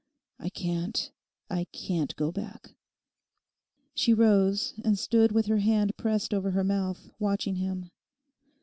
I can't, I can't go back.' She rose and stood with her hand pressed over her mouth, watching him.